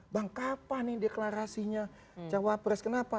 bang kapan ini deklarasinya cawapres kenapa